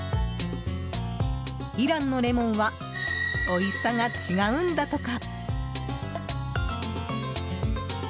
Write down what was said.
イランのレモンはおいしさが違うんだとか。